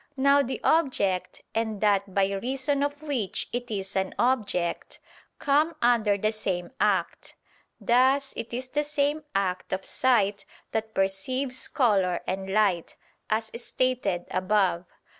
Now the object, and that by reason of which it is an object, come under the same act; thus it is the same act of sight that perceives color and light, as stated above (Q.